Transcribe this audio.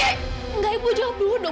tidak ibu jawab dulu dong